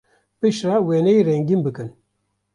Piştre wêneyê rengîn bikin.